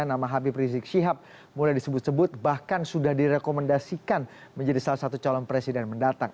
nama habib rizik syihab mulai disebut sebut bahkan sudah direkomendasikan menjadi salah satu calon presiden mendatang